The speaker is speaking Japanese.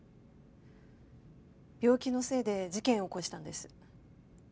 病気のせいで事件を起こしたんです。